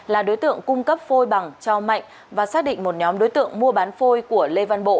là đối tượng cung cấp phôi bằng cho mạnh và xác định một nhóm đối tượng mua bán phôi của lê văn bộ